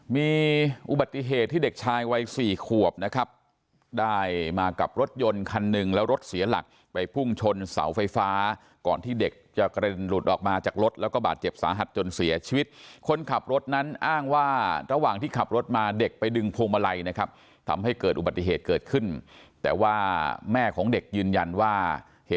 มีอุบัติเหตุที่เด็กชายวัยสี่ขวบนะครับได้มากับรถยนต์คันหนึ่งแล้วรถเสียหลักไปพุ่งชนเสาไฟฟ้าก่อนที่เด็กจะกระเด็นหลุดออกมาจากรถแล้วก็บาดเจ็บสาหัสจนเสียชีวิตคนขับรถนั้นอ้างว่าระหว่างที่ขับรถมาเด็กไปดึงพวงมาลัยนะครับทำให้เกิดอุบัติเหตุเกิดขึ้นแต่ว่าแม่ของเด็กยืนยันว่าเหตุ